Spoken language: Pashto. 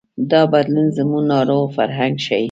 دا بدلون زموږ ناروغ فرهنګ ښيي.